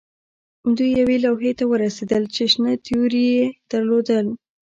دوی یوې لوحې ته ورسیدل چې شنه توري یې درلودل